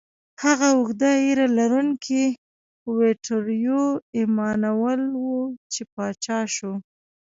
هغه اوږده ږیره لرونکی ویټوریو ایمانویل و، چې پاچا شو.